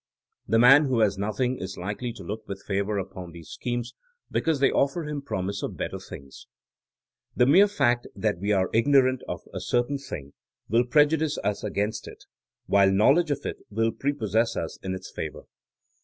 The man who has nothing is likely to look with favor upon these schemes, because they offer him promise of better things. The mere fact that we are ignorant of a cer tain thing will prejudice us against it, while knowledge of it will prepossess us in its favor.